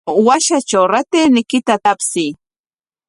Washatraw ratayniykita tapsiy.